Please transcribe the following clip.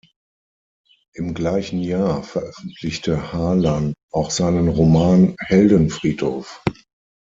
Im gleichen Jahr veröffentlichte Harlan auch seinen Roman "Heldenfriedhof".